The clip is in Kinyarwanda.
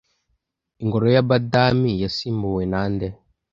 Ingoro ya Badami yasimbuwe nande